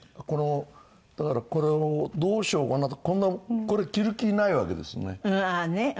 このだからこれをどうしようかなとこんなこれ着る気ないわけですね。